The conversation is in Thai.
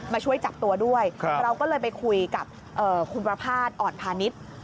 มาช่วยจับตัวด้วยเราก็เลยไปคุยก็เลยไปคุยกับคุณพระภาดอ่อนภานิตร